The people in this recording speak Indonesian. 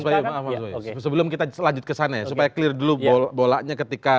maaf maaf sebelum kita lanjut ke sana ya supaya clear dulu bolanya ketika